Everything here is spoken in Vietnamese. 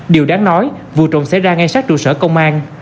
điều đáng nói vụ trộm xảy ra ngay sát trụ sở công an